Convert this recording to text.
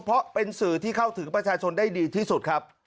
เพราะเป็นสื่อที่เข้าถึงประชาชนได้ดีที่สุดครับ